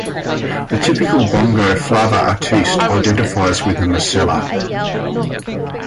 The typical Bongo flava artiste identifies with the "mselah".